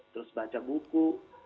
terus baca buku